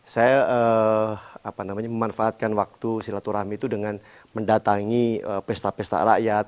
saya memanfaatkan waktu silaturahmi itu dengan mendatangi pesta pesta rakyat